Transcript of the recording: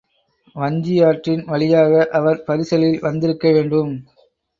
வஞ்சியாற்றின் வழியாக அவர் பரிசலில் வந்திருக்க வேண்டும்.